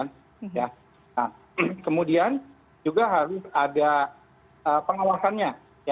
nah kemudian juga harus ada pengawasannya